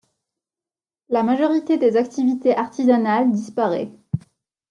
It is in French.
La majorité des activités artisanales disparait.